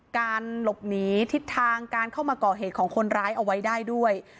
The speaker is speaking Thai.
การหลบหนีทิศทางการเข้ามาก่อเหตุของคนร้ายเอาไว้ได้ด้วย